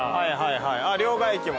両替機も。